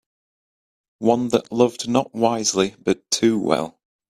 One that loved not wisely but too well